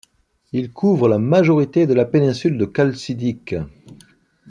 Il couvre la majorité de la péninsule de Chalcidique.